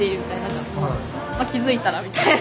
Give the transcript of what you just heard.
気付いたらみたいな。